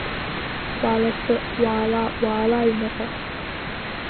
Уааласы, уаала, уаала аҩныҟа…